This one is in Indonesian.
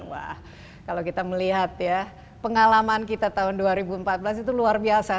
wah kalau kita melihat ya pengalaman kita tahun dua ribu empat belas itu luar biasa